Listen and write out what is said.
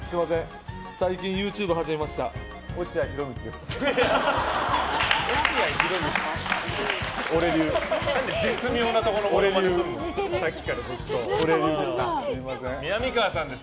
最近、ＹｏｕＴｕｂｅ始めました落合博満です。